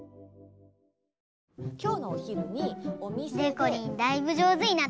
きょうのおひるにおみせで。でこりんだいぶじょうずになったね。